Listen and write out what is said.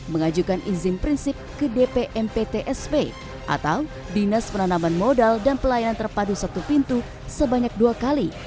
mengajukan izin prinsip ke dpmptsp atau dinas penanaman modal dan pelayanan terpadu satu pintu sebanyak dua kali